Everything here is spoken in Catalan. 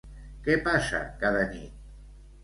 Què passa cada nit?